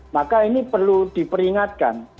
maka ini perlu diperingatkan